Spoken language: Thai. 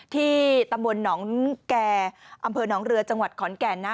ที่ตำบลหนองแก่อำเภอหนองเรือจังหวัดขอนแก่นนะ